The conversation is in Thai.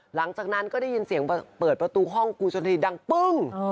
หลังจากนั้นก็ได้ยินเสียงเปิดประตูห้องกูชนทีดังปึ้ง